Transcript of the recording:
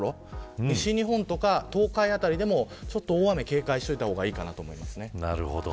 西日本とか東海辺りでも、大雨に警戒した方がいいと思います。